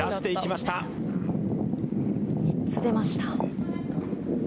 ３つ、出ました。